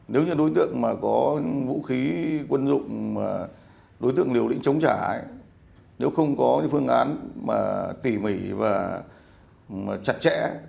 nếu như đối tượng có vũ khí quân dụng đối tượng liều lĩnh chống trả nếu không có phương án tỉ mỉ và chặt chẽ